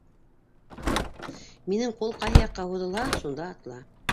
Минең ҡул ҡайһы яҡҡа һуҙылһа, шунда атла!